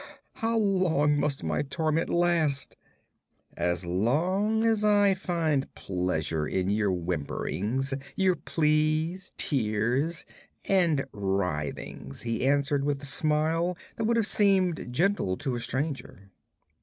How long must my torment last?' 'As long as I find pleasure in your whimperings, your pleas, tears and writhings,' he answered with a smile that would have seemed gentle to a stranger.